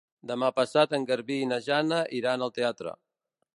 Demà passat en Garbí i na Jana iran al teatre.